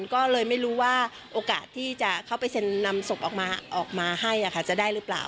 ก็เลยไม่รู้ว่าโอกาสที่จะเข้าไปเซ็นนำศพออกมาให้จะได้หรือเปล่า